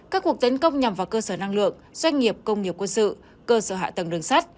các cuộc tấn công nhằm vào cơ sở năng lượng doanh nghiệp công nghiệp quân sự cơ sở hạ tầng đường sắt